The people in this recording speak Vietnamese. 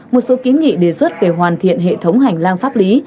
một số kiến nghị đề xuất về hoàn thiện hệ thống hành lang pháp lý